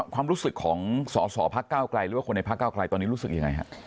ความรู้สึกของสอสอพักเก้าไกลหรือว่าคนในพักเก้าไกลตอนนี้รู้สึกยังไงฮะ